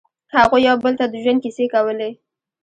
هغوی یو بل ته د ژوند کیسې کولې.